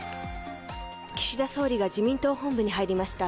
岸田総理が自民党本部に入りました。